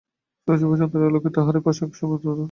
সূর্য বা চন্দ্রের আলোক তাঁহারই প্রকাশমাত্র।